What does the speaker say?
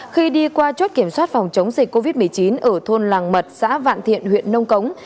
khi đi qua chốt kiểm soát phòng chống dịch covid một mươi chín ở thôn làng mật xã vạn thiện huyện nông cống